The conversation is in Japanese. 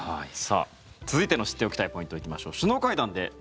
続いての知っておきたいポイントいきましょう。